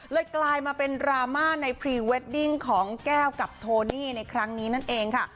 กลายมาเป็นดราม่าในพรีเวดดิ้งของแก้วกับโทนี่ในครั้งนี้นั่นเองค่ะ